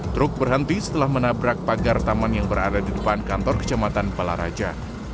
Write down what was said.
truk berhenti setelah menabrak pagar taman yang berada di depan kantor kecamatan balaraja